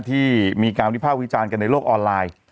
ที่มีการวิภาควิจารณ์กันในโลกออนไลน์